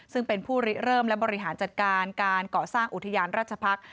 ซึ่งเป็นผู้ริเริ่มและบริหารจัดการการก่อสร้างอุทยานราชพักษ์